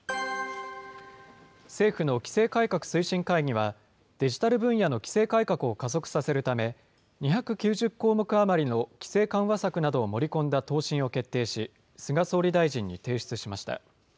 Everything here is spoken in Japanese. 政府の規制改革推進会議は、デジタル分野の規制改革を加速させるため、２９０項目余りの規制緩和策などを盛り込んだ答申を決定し、菅総理大臣に提出しました。